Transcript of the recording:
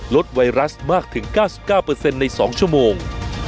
ไวรัสมากถึง๙๙ใน๒ชั่วโมง